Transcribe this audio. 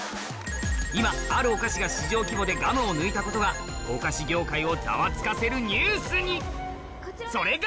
今あるお菓子が市場規模でガムを抜いたことがお菓子業界をざわつかせるニュースにそれが！